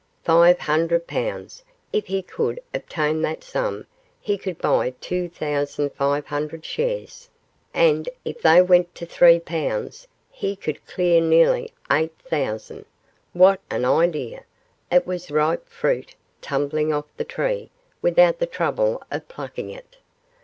Five hundred pounds! If he could obtain that sum he could buy two thousand five hundred shares, and if they went to three pounds, he could clear nearly eight thousand. What an idea! It was ripe fruit tumbling off the tree without the trouble of plucking it.